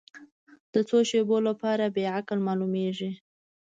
د څو شیبو لپاره بې عقل معلومېږي.